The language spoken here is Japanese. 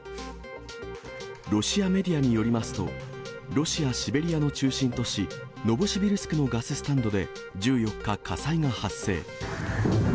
ロシアメディアによりますと、ロシア・シベリアの中心都市、ノボシビルスクのガススタンドで１４日、火災が発生。